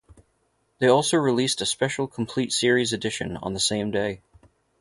They also released a special complete series edition on the same day.